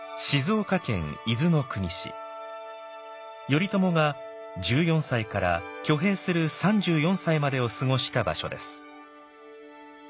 頼朝が１４歳から挙兵する３４歳までを過ごした場所です。